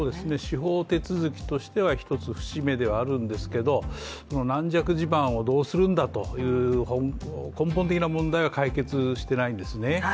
司法手続きとしては一つ節目ではあるんですけど軟弱地盤をどうするんだという根本的な問題は解決してないんですね。